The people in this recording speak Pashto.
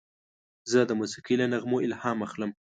زه د موسیقۍ له نغمو الهام اخلم.